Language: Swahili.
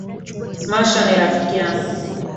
Smasher ni rafiki yangu